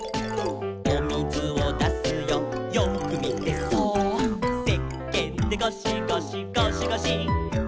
「おみずをだすよよーくみてそーっ」「せっけんでゴシゴシゴシゴシ」